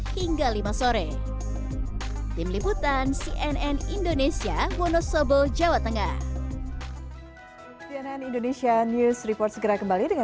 sebelumnya dikelola oleh warga kebun teh kemudian dikelola oleh warga kereta